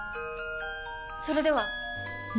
それでは！